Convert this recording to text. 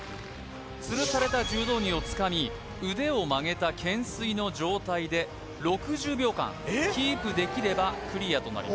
つるされた柔道着をつかみ腕を曲げたけん垂の状態で６０秒間キープできればクリアとなります